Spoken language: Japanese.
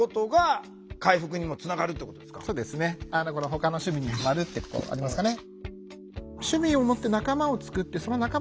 「ほかの趣味にハマる」ってところありますかね。